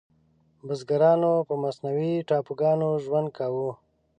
بزګرانو په مصنوعي ټاپوګانو ژوند کاوه.